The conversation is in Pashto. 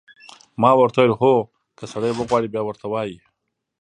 ما ورته وویل: هو، که سړی وغواړي، بیا ورته وایي.